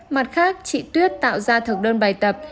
mặt khác chị tuyết tạo ra thực đơn bài tập